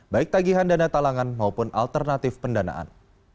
baik tagihan dana talangan maupun alternatif pendanaan